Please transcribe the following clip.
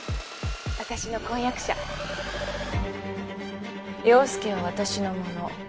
私の婚約者陽佑は私のもの。